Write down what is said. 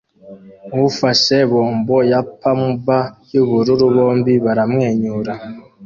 ufashe bombo ya pamba yubururu bombi baramwenyura